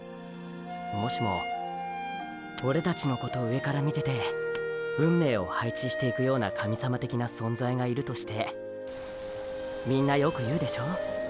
もしもーーオレたちのこと上から見てて運命を配置していくような神様的な存在がいるとしてみんなよく言うでしょ。